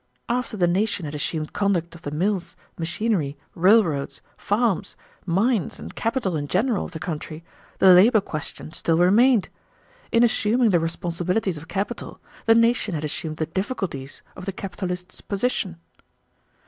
"After the nation had assumed conduct of the mills, machinery, railroads, farms, mines, and capital in general of the country, the labor question still remained. In assuming the responsibilities of capital the nation had assumed the difficulties of the capitalist's position."